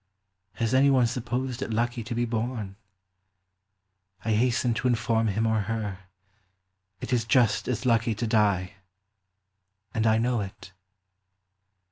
Has any one supposed it lucky to be born ? I hasten to inform him or her, it is just as lucky to die, and I know it.